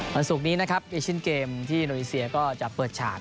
วันศุกร์นี้นะครับเอเชียนเกมที่อินโดนีเซียก็จะเปิดฉาก